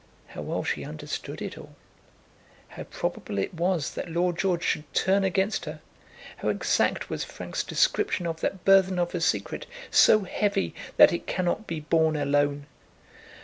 How well she understood it all! How probable it was that Lord George should turn against her! How exact was Frank's description of that burthen of a secret so heavy that it cannot be borne alone!